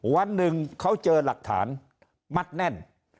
วันหนึ่งเขาเจอหลักฐานมัดแน่น